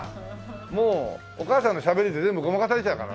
もうお母さんのしゃべりで全部ごまかされちゃうからな。